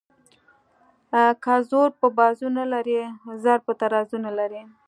که زور په بازو نه لري زر په ترازو نه لري.